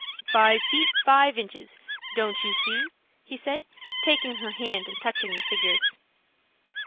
"Five feet five inches; don't you see?" he said, taking her hand and touching the figures.